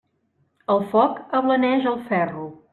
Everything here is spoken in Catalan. El foc ablaneix el ferro.